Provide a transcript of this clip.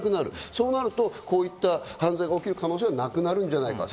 そうなると、こういった犯罪が起きる可能性はなくなるんじゃないかと。